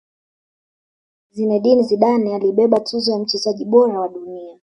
zinedine zidane alibeba tuzo ya mchezaji bora wa dunia